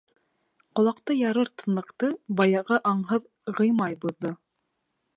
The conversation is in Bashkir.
Ҡолаҡты ярыр тынлыҡты баяғы аңһыҙ Ғимай боҙҙо: